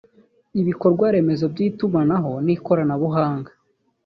ibikorwa remezo by’itumanaho n’ikoranabuhanga